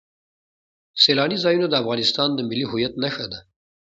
سیلاني ځایونه د افغانستان د ملي هویت نښه ده.